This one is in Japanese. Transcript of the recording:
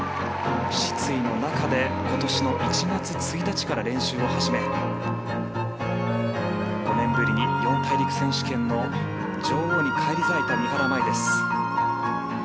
失意の中で今年の１月５日から練習を始め５年ぶりに四大陸選手権女王に返り咲いた三原舞依。